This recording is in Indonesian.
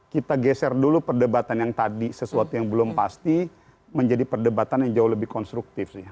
kita geser dulu perdebatan yang tadi sesuatu yang belum pasti menjadi perdebatan yang jauh lebih konstruktif sih